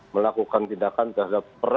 melakukan tindakan terhadap pelaku pelaku terorisme